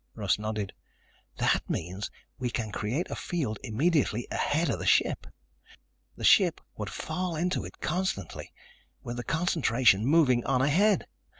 Russ nodded. "That means we can create a field immediately ahead of the ship. The ship would fall into it constantly, with the concentration moving on ahead.